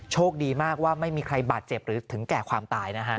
โชคดีมากว่าไม่มีใครบาดเจ็บหรือถึงแก่ความตายนะฮะ